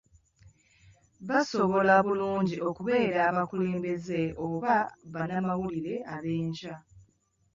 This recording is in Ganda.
Basobola bulungi okubeera abakulembeze oba bannamawulire ab'enkya.